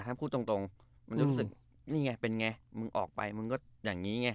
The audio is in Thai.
ถ้าพูดตรงมันรู้สึกนี่ไงเป็นไงมึงออกไปมึงก็อย่างนี้ไง